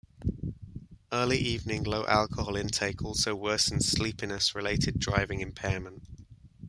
Early evening low alcohol intake also worsens sleepiness-related driving impairment.